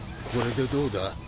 これでどうだ？